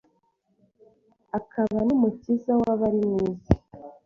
akaba n’Umukiza w’abari mu isi.